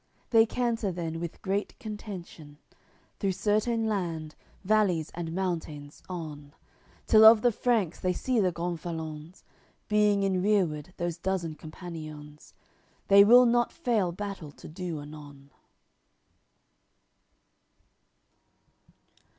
They canter then with great contention Through Certeine land, valleys and mountains, on, Till of the Franks they see the gonfalons, Being in rereward those dozen companions; They will not fail battle to do anon.